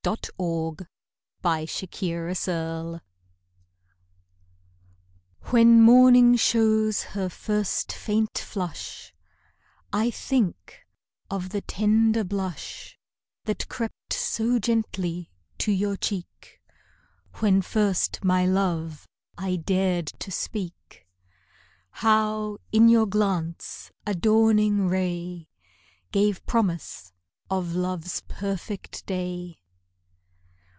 MORNING, NOON AND NIGHT When morning shows her first faint flush, I think of the tender blush That crept so gently to your cheek When first my love I dared to speak; How, in your glance, a dawning ray Gave promise of love's perfect day.